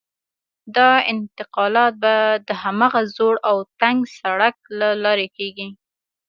دا انتقالات به د هماغه زوړ او تنګ سړک له لارې کېږي.